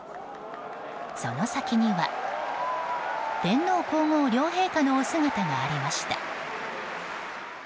その先には天皇・皇后両陛下のお姿がありました。